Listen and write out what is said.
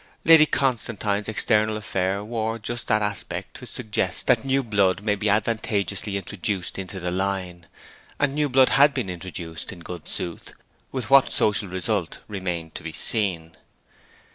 Lady Constantine's external affairs wore just that aspect which suggests that new blood may be advantageously introduced into the line; and new blood had been introduced, in good sooth, with what social result remained to be seen.